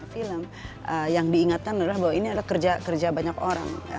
film yang diingatkan adalah kerja banyak orang